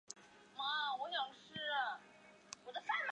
一切儿童,无论婚生或非婚生,都应享受同样的社会保护。